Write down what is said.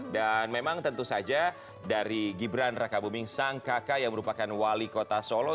memang tentu saja dari gibran raka buming sang kakak yang merupakan wali kota solo